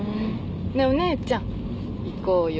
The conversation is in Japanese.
ねぇお姉ちゃん行こうよ。